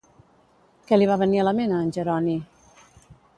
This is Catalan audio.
Què li va venir a la ment a en Jeroni?